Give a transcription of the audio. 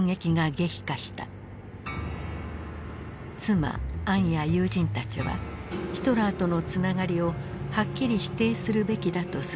妻・アンや友人たちはヒトラーとのつながりをはっきり否定するべきだと勧めた。